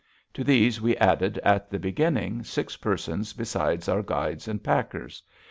To these we added at the beginning six persons besides our guides and packers.